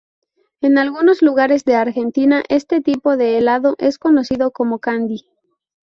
En algunos lugares de Argentina este tipo de helado es conocido como "candy".